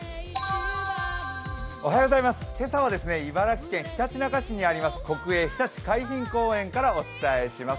今朝は茨城県ひたちなか市にあります、国営ひたち海浜公園からお伝えします。